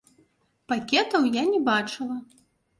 Пакетаў я не бачыла.